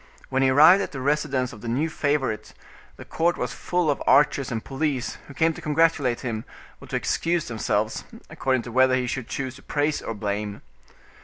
When he arrived at the residence of the new favorite, the court was full of archers and police, who came to congratulate him, or to excuse themselves, according to whether he should choose to praise or blame.